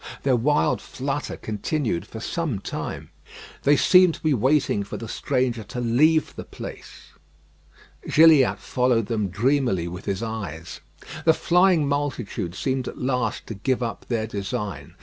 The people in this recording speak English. Their wild flutter continued for some time. They seemed to be waiting for the stranger to leave the place. Gilliatt followed them dreamily with his eyes. The flying multitude seemed at last to give up their design.